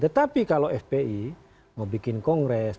tetapi kalau fpi mau bikin kongres